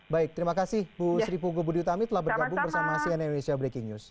baik terima kasih bu sri pugu budi utami telah bergabung bersama sian indonesia breaking news